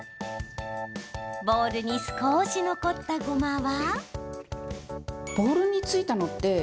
ボウルに少し残った、ごまは？